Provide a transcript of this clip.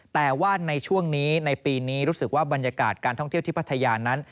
แต่ว่าในช่วงนี้ในปีนี้รู้สึกว่าบรรยากาศการท่องเที่ยวที่พัทยานั้น